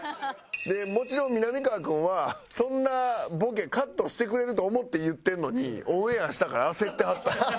もちろんみなみかわ君はそんなボケカットしてくれると思って言ってるのにオンエアしたから焦ってはったよ。